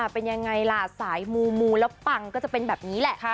เป็นยังไงล่ะสายมูมูแล้วปังก็จะเป็นแบบนี้แหละ